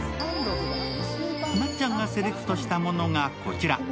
なっちゃんがセレクトしたものがこちら。